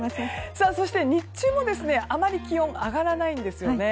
そして、日中もあまり気温が上がらないんですね。